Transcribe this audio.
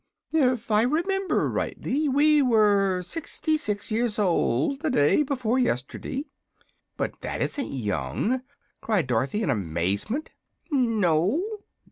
If I remember rightly, we were sixty six years old the day before yesterday." "But that isn't young!" cried Dorothy, in amazement. "No?"